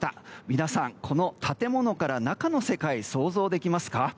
皆さん、この建物から中の世界想像できますか？